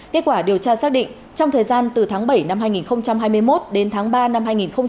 kết quả điều tra xác định trong thời gian từ tháng bảy năm hai nghìn hai mươi một đến tháng ba năm hai nghìn hai mươi ba